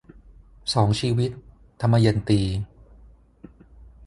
สองชีวิต - ทมยันตี